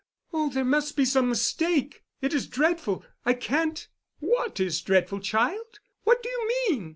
"Oh, there must be some mistake—it is dreadful. I can't——" "What is dreadful, child? What do you mean?"